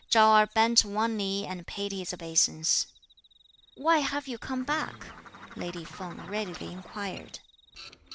Chao Erh bent one knee and paid his obeisance. "Why have you come back?" lady Feng readily inquired.